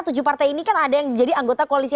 tujuh partai ini kan ada yang menjadi anggota koalisi